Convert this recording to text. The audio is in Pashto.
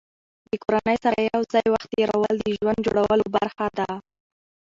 د کورنۍ سره یو ځای وخت تېرول د ژوند جوړولو برخه ده.